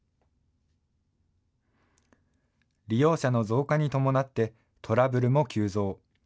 利用者の増加に伴って、トラブルも急増。